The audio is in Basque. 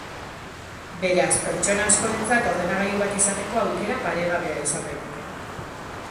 Beraz, pertsona askorentzat ordenagailu bat izateko aukera paregabea izan daiteke.